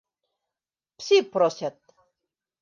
Пси просят!